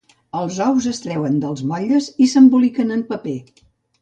Els ous es treuen dels motlles i s'emboliquen en paper.